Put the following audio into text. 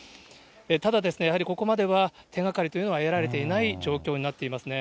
ただ、やはりここまでは、手がかりというのは得られていない状況になっていますね。